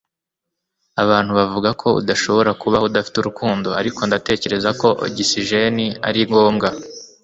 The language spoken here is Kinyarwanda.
abantu bavuga ko udashobora kubaho udafite urukundo, ariko ndatekereza ko ogisijeni ari ngombwa